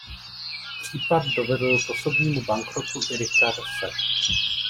Případ dovedl k osobnímu bankrotu i Ricka Rosse.